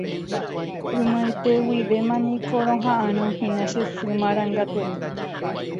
Ymaiteguivémaniko roha'ãrõhína che sy marangatuete